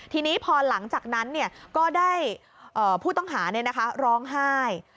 ทีนี้พอหลังจากนั้นก็ได้ผู้ต้องหาร้องไห้